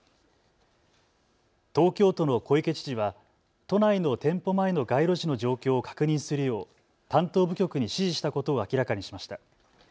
東京都の小池知事は都内の店舗前の街路樹の状況を確認するよう担当部局に指示したことを明らかにしました。